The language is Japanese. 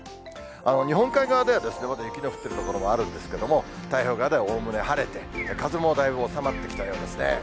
日本海側では、まだ雪の降ってる所もあるんですけれども、太平洋側ではおおむね晴れて、風もだいぶ収まってきたようですね。